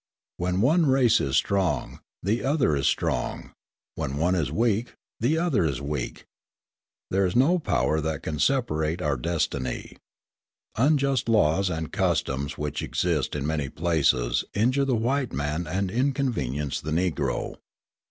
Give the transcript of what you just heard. When one race is strong, the other is strong; when one is weak, the other is weak. There is no power that can separate our destiny. Unjust laws and customs which exist in many places injure the white man and inconvenience the Negro.